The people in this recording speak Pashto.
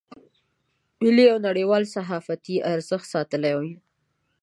ملي او نړیوال صحافتي ارزښت ساتلی و.